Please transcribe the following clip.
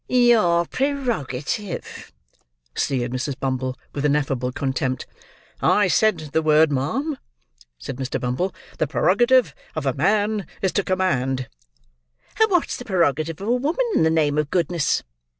"Your prerogative!" sneered Mrs. Bumble, with ineffable contempt. "I said the word, ma'am," said Mr. Bumble. "The prerogative of a man is to command." "And what's the prerogative of a woman, in the name of Goodness?"